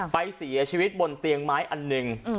ไปเสียชีวิตบนเตียงไม้อันหนึ่ง